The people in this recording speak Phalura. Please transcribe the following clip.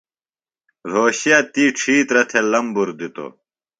روھوشے تی ڇِھیترہ تھےۡ لمبُر دِتوۡ۔